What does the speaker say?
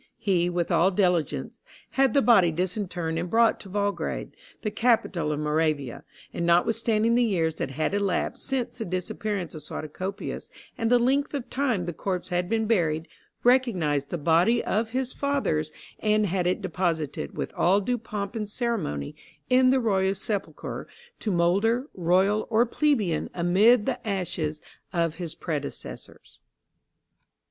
He, with all diligence, had the body disinterred and brought to Volgrade, the capital of Moravia, and, notwithstanding the years that had elapsed since the disappearance of Suatocopius, and the length of time the corpse had been buried, recognized the body as his father's, and had it deposited, with all due pomp and ceremony, in the royal sepulchre, to moulder, royal or plebeian, amid the ashes of his predecessors.